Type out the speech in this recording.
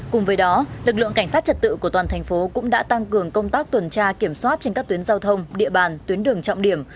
cùng với đó lực lượng cảnh sát trật tự của toàn thành phố cũng đã tăng cường công tác tuần tra kiểm soát trên các tuyến giao thông địa bàn tuyến đường trọng điểm